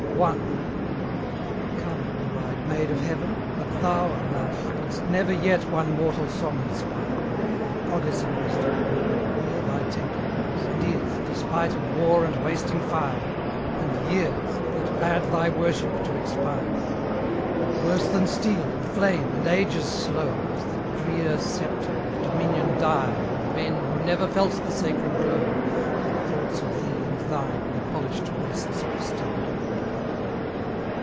I. Come, blue eyed maid of heaven! but thou, alas, Didst never yet one mortal song inspire Goddess of Wisdom! here thy temple was, And is, despite of war and wasting fire, And years, that bade thy worship to expire: But worse than steel, and flame, and ages slow, Is the drear sceptre and dominion dire Of men who never felt the sacred glow That thoughts of thee and thine on polished breasts bestow.